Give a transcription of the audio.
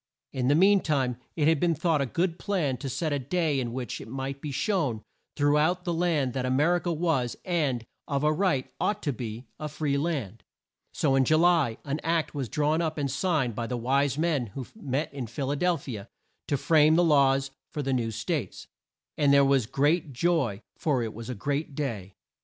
In the mean time it had been thought a good plan to set a day in which it might be shown through out the land that A mer i ca was, and, of a right, ought to be, a free land. So in Ju ly an Act was drawn up and signed by the wise men who met in Phil a del phi a to frame the laws for the new States, and there was great joy, for it was a great day.